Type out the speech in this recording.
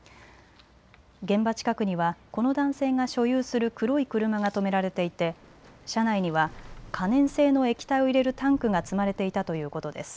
現場近くにはこの男性が所有する黒い車が止められていて車内には可燃性の液体を入れるタンクが積まれていたということです。